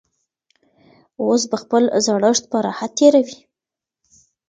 اوس به خپل زړښت په راحت تېروي.